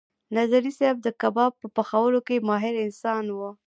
نظري صیب د کباب په پخولو کې ماهر انسان و.